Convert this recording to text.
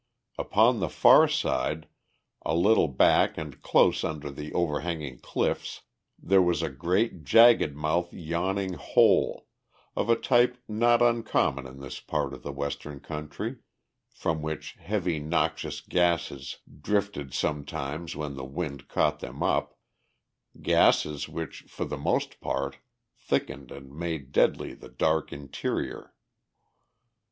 Upon the far side, a little back and close under the overhanging cliffs, there was a great, jagged mouthed, yawning hole, of a type not uncommon in this part of the western country, from which heavy, noxious gases drifted sometimes when the wind caught them up, gases which for the most part thickened and made deadly the dark interior.